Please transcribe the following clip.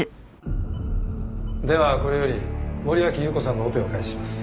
ではこれより森脇裕子さんのオペを開始します。